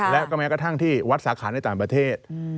และก็แม้กระทั่งที่วัดสาขาในต่างประเทศ